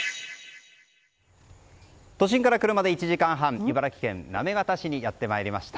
都心から車で１時間半茨城県行方市にやってまいりました。